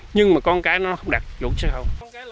nhưng mà con cái nó không đạt chuẩn xuất khẩu